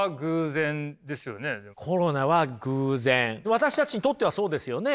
私たちにとってはそうですよね。